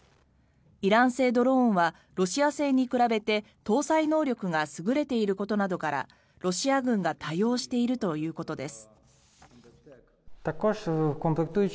イラン製ドローンはロシア製に比べて搭載能力が優れていることなどからロシア軍が多用しているということです。